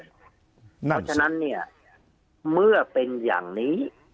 เพราะฉะนั้นเนี่ยเมื่อเป็นอย่างนี้